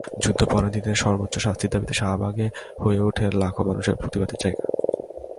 যুদ্ধাপরাধীদের সর্বোচ্চ শাস্তির দাবিতে শাহবাগ হয়ে ওঠে লাখো মানুষের প্রতিবাদের জায়গা।